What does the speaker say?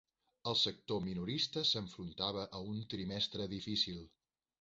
El sector minorista s'enfrontava a un trimestre difícil.